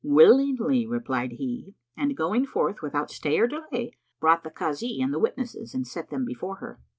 "Willingly," replied he and, going forth without stay or delay, brought the Kazi and the witnesses and set them before her.